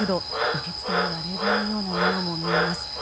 受付には冷房のようなものも見えます。